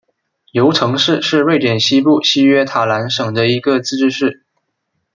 尤城市是瑞典西部西约塔兰省的一个自治市。